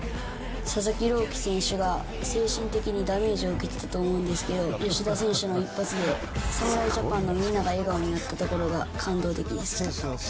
佐々木朗希選手が精神的にダメージを受けてたと思うんですけど、吉田選手の一発で侍ジャパンのみんなが笑顔になったところが感動的でした。